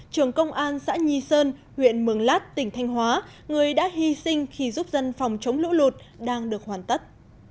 trưởng công an xã nhi sơn huyện mường lát tỉnh thanh hóa người đã hy sinh khi giúp dân phòng chống lũ lụt đang được hoàn tất